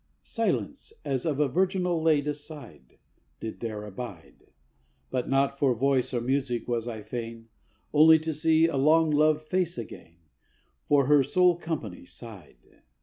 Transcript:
Silence, as of a virginal laid aside, Did there abide. But not for voice or music was I fain, Only to see a long loved face againŌĆö For her sole company sighed.